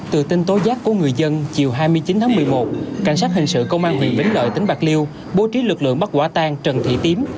từ tin tố giác của người dân chiều hai mươi chín tháng một mươi một cảnh sát hình sự công an huyện vĩnh lợi tỉnh bạc liêu bố trí lực lượng bắt quả tang trần thị tím